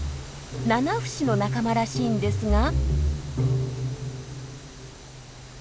ナナフシの仲間らしいんですが。